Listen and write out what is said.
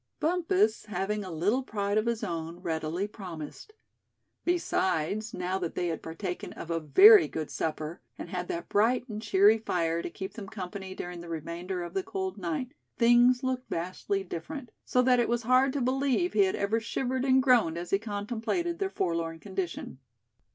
Bumpus, having a little pride of his own, readily promised. Besides, now that they had partaken of a very good supper, and had that bright and cheery fire to keep them company during the remainder of the cold night, things looked vastly different; so that it was hard to believe he had ever shivered and groaned as he contemplated their forlorn condition.